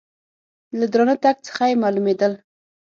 له درانه تګ څخه یې مالومېدل .